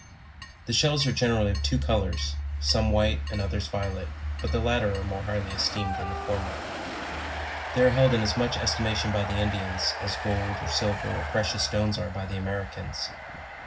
The shells are generally of two colors, some white and others violet; but the latter are more highly esteemed than the former. They are held in .as much estimation by the Indians, as gold, or silver, or precious stones are by the Americans.